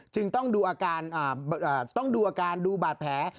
จึงต้องดูอาการดูบาดแผล